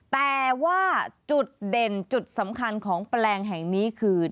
แต่ว่าจุดเด่นจุดสำคัญของแปลงแห่งนี้คือ